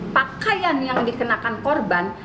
pakaian yang dikenakan korban